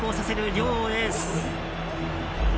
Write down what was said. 両エース。